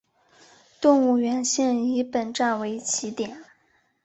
动物园线以本站为起点。